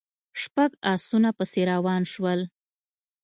شپږ آسونه پسې روان شول.